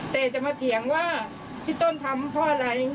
แต่จะมาเถียงว่าที่ต้นทำเพราะอะไร